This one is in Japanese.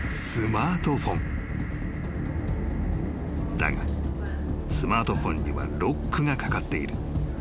［だがスマートフォンにはロックがかかっている］